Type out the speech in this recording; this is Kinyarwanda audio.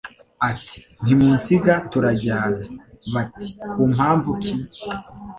ati Ntimunsiga turajyana! Bati Ku mpamvu ki ?